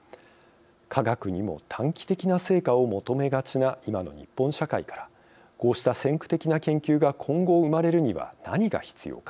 科学にも短期的な成果を求めがちな今の日本社会からこうした先駆的な研究が今後生まれるには何が必要か。